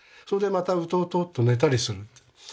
それでまたウトウトッと寝たりする。